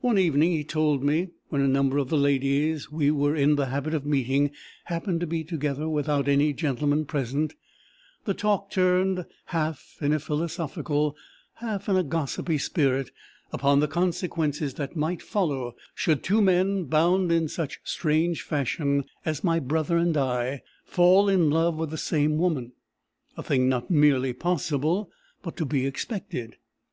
"One evening, he told me, when a number of the ladies we were in the habit of meeting happened to be together without any gentleman present, the talk turned, half in a philosophical, half in a gossipy spirit, upon the consequences that might follow, should two men, bound in such strange fashion as my brother and I, fall in love with the same woman a thing not merely possible, but to be expected.